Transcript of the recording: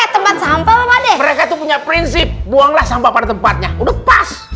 teman sampah nih mereka tuh punya prinsip buanglah sampah pada tempatnya udah pas